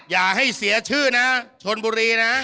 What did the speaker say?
อย่าให้เสียชื่อนะชนบุรีนะ